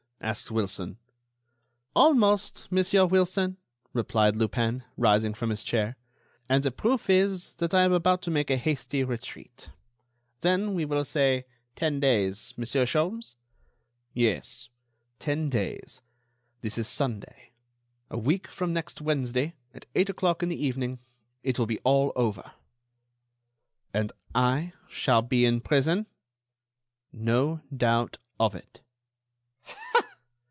asked Wilson. "Almost, Monsieur Wilson," replied Lupin, rising from his chair, "and the proof is that I am about to make a hasty retreat. Then, we will say ten days, Monsieur Sholmes?" "Yes, ten days. This is Sunday. A week from next Wednesday, at eight o'clock in the evening, it will be all over." "And I shall be in prison?" "No doubt of it."